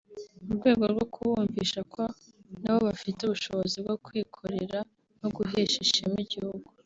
mu rwego rwo kubumvisha ko nabo bafite ubushobozi bwo kwikorera no guhesha ishema igihugu